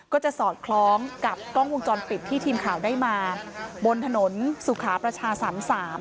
ก็จะสอดคล้องกับกล้องวงจรปิดที่ทีมข่าวได้มาบนถนนสุขาประชาสามสาม